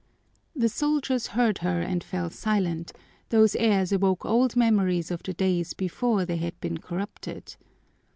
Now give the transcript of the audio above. The soldiers heard her and fell silent; those airs awoke old memories of the days before they had been corrupted.